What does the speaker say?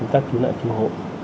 các cứu nạn cứu hộ